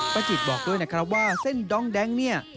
จิตบอกด้วยนะครับว่าเส้นด้องแดงเนี่ย